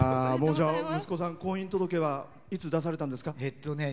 息子さん、婚姻届はいつ出されたんですか？